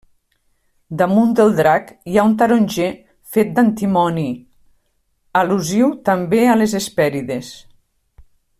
Damunt del drac hi ha un taronger fet d'antimoni, al·lusiu també a les Hespèrides.